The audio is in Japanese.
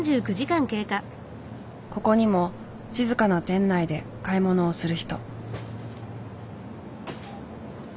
ここにも静かな店内で買い物をする人。